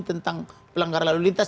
tentang pelanggaran lalu lintas